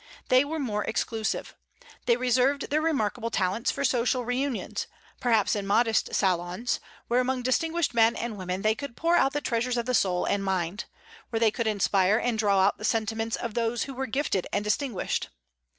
They were more exclusive. They reserved their remarkable talents for social reunions, perhaps in modest salons, where among distinguished men and women they could pour out the treasures of the soul and mind; where they could inspire and draw out the sentiments of those who were gifted and distinguished.